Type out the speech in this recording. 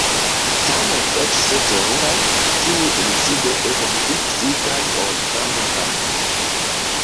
Tamen eĉ se teruraj, tiuj insidoj estas pli psikaj ol sango-karnaj.